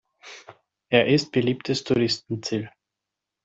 Er ist beliebtes Touristenziel.